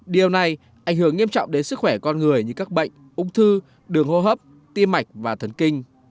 điều này ảnh hưởng nghiêm trọng đến sức khỏe con người như các bệnh ung thư đường hô hấp tim mạch và thấn kinh